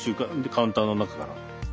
カウンターの中から。